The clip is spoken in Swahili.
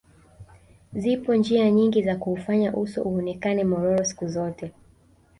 Zipo njia nyingi za kuufanya uso uonekane mororo siku zote